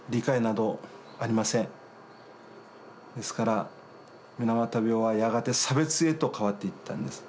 ですから水俣病はやがて差別へと変わっていったんです。